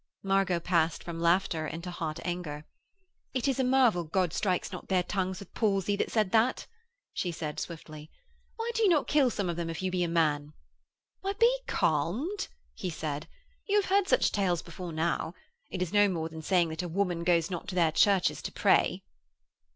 Margot passed from laughter into hot anger: 'It is a marvel God strikes not their tongues with palsy that said that,' she said swiftly. 'Why do you not kill some of them if you be a man?' 'Why, be calmed,' he said. 'You have heard such tales before now. It is no more than saying that a woman goes not to their churches to pray.'